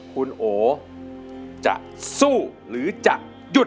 คุณโอจะสู้หรือจะหยุด